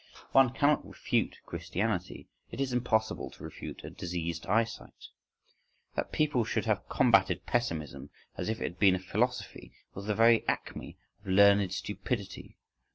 One cannot refute Christianity: it is impossible to refute a diseased eyesight. That people should have combated pessimism as if it had been a philosophy, was the very acme of learned stupidity.